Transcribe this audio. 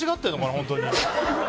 本当に。